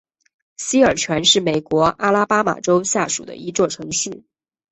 西尔泉是美国阿拉巴马州下属的一座城市。